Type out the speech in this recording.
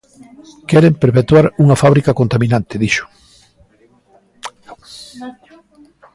"Queren perpetuar unha fábrica contaminante", dixo.